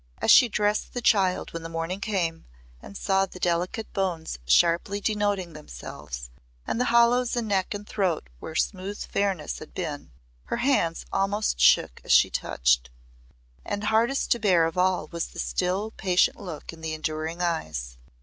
As she dressed the child when morning came and saw the delicate bones sharply denoting themselves, and the hollows in neck and throat where smooth fairness had been, her hands almost shook as she touched. And hardest of all to bear was the still, patient look in the enduring eyes.